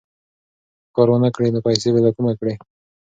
که کار ونه کړې، نو پیسې به له کومه کړې؟